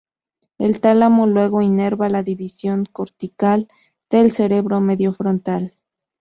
El tálamo, luego inerva la división cortical del cerebro medio frontal.